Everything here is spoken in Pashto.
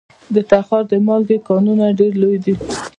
د تخار د مالګې کانونه ډیر لوی دي